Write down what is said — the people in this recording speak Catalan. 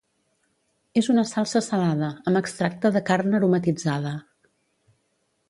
És una salsa salada, amb extracte de carn aromatitzada.